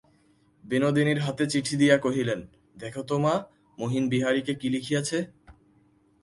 বিনোদিনীর হাতে চিঠি দিয়া কহিলেন, দেখো তো মা, মহিন বিহারীকে কী লিখিয়াছে।